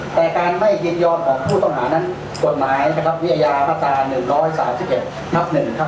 แต่การไม่ยืนยอมของผู้ต้องหานั้นกฎหมายวิญญาณมาตรา๑๓๗ทับ๑